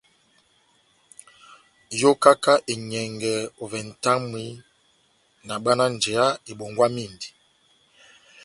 Yokaka enyɛngɛ ovɛ nʼtamwi nahabwana njeya ebongwamindi.